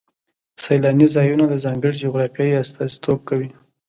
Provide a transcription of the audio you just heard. سیلاني ځایونه د ځانګړې جغرافیې استازیتوب کوي.